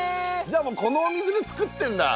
じゃあこのお水で作ってんだ。